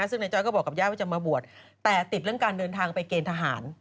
ซึ่งนายจ้อยก็บอกกับญาติว่าจะมาบวชแต่ติดเรื่องการเดินทางไปเกณฑ์ทหาร